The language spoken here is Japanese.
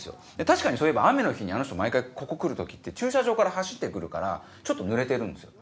確かにそういえば雨の日にあの人毎回ここ来る時って駐車場から走って来るからちょっとぬれてるんですよ。